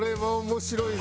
面白い。